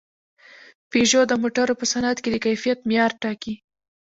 پيژو د موټرو په صنعت کې د کیفیت معیار ټاکي.